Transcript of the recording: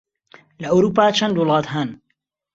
لە ئەورووپا چەند وڵات هەن؟